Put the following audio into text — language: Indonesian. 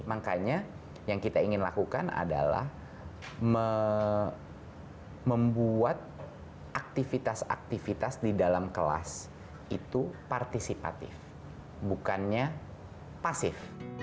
makanya yang kita ingin lakukan adalah membuat aktivitas aktivitas di dalam kelas itu partisipatif bukannya pasif